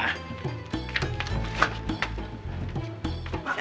hah nanya aja dah